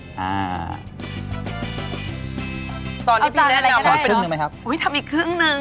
เอาจานอะไรจะได้ด้วยงั้นค่ะอุ้ยทำอีกครึ่งหนึ่ง